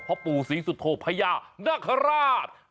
พระปู่ศรีสุทธโฆพญานักฮราช